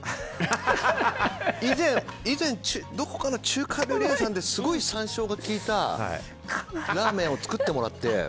以前、どこかの中華料理屋さんですごい山椒が効いたラーメンを作ってもらって。